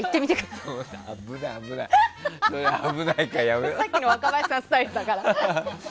さっきの若林さんスタイルだから。